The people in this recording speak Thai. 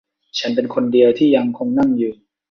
ฉันเป็นคนเดียวที่ยังคงนั่งอยู่